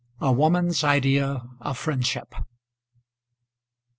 A WOMAN'S IDEA OF FRIENDSHIP.